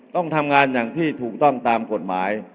ต้องทำงานอย่างที่ถูกต้องตามกฎหมาย